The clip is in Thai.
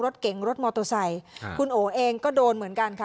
รถเก๋งรถมอเตอร์ไซค์คุณโอเองก็โดนเหมือนกันค่ะ